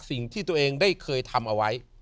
สิ่งที่ตัวเองได้เคยทำเอาไว้